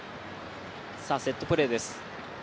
セットプレーです。